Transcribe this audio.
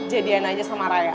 jadian aja sama raya